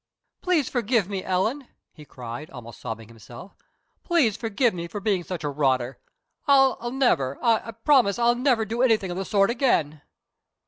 "Please forgive me, Ellen!" he cried, almost sobbing himself. "Please forgive me for being such a rotter. I'll never I promise that I'll never do anything of the sort again."